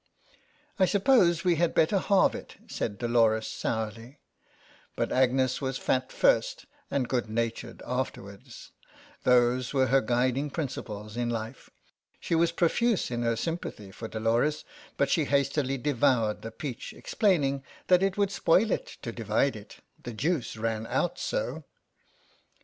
" I suppose we had better halve it," said Dolores sourly. But Agnes was fat first and good natured afterwards ; those were her guiding principles in life. She was profuse in her sympathy for Dolores, but she hastily devoured the peach, explaining that it would spoil it to divide it ; the juice ran out so.